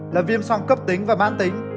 là viêm soang cấp tính và mãn tính